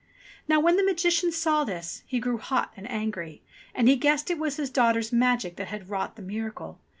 Now when the Magician saw this, he grew hot and angry, and he guessed it was his daughter's magic that had wrought the miracle.